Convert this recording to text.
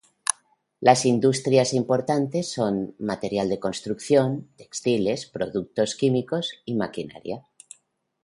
Las industrias importantes son, materiales de construcción, textiles, productos químicos y maquinaria.